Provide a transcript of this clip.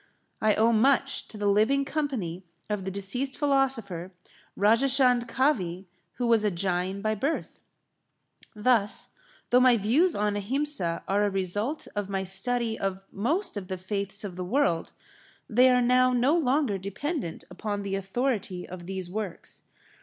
I owe much to the living company of the deceased philosopher, Rajachand Kavi, who was a Jain by birth. Thus, though my views on Ahimsa are a result of my study of most of the faiths of the world, they are now no longer dependent upon the authority of these works.